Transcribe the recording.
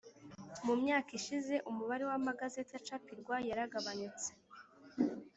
Mu myaka ishize umubare w amagazeti acapirwa yaragabanyutse